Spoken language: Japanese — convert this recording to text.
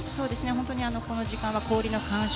本当にこの時間は氷の感触